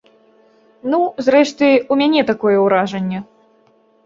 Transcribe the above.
Ну, зрэшты, у мяне такое ўражанне.